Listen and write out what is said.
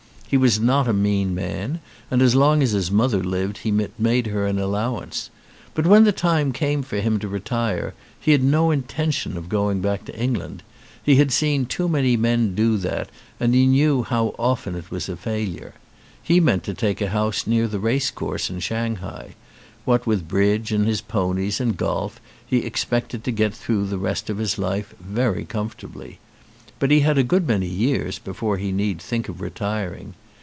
He was not a mean man and as long as his mother lived he had made her an allow ance. But when the time came for him to retire he had no intention of going back to England, he had seen too many men do that and he knew how often it was a failure; he meant to take a house near the race course in Shanghai: what with bridge and his ponies and golf he expected to get through the rest of his life very comfortably. But he had a good many years before he need think of retiring.